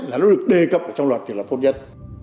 là nó được đề cập trong luật thì là tốt nhất